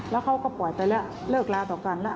แล้วเขาก็ปล่อยไปแล้วเลิกลาต่อกันแล้ว